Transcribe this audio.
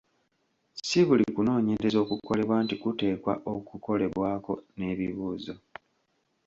Si buli kunoonyereza okukolebwa nti kuteekwa okukolebwako n’ebibuuzo.